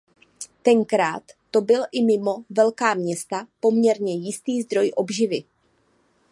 Tenkrát to byl i mimo velká města poměrně jistý zdroj obživy.